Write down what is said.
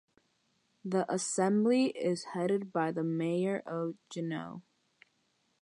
The Assembly is headed by the mayor of Juneau.